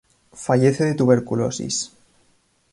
Fallece de tuberculosis.